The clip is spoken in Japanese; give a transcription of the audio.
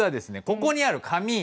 ここにある紙。